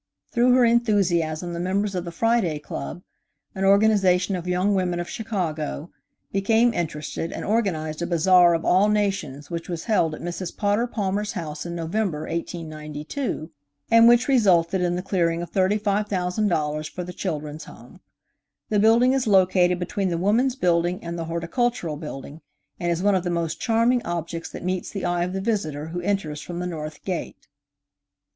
Through her enthusiasm the members of the Friday Club, an organization of young women of Chicago, became interested and organized a bazaar of all nations which was held at Mrs. Potter Palmer's home in November, 1892, and which resulted in the clearing of $35,000 for the Children's Home. The building is located between the Woman's Building and the Horticultural Building, and is one of the most charming objects that meets the eye of the visitor who enters from the north gate.